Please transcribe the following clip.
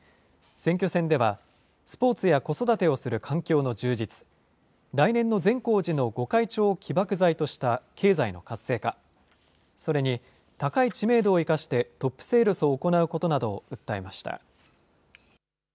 選挙戦では、スポーツや子育てをする環境の充実、来年の善光寺のご開帳を起爆剤とした経済の活性化、それに高い知名度を生かして、トップセールスを行うことなどを訴えました。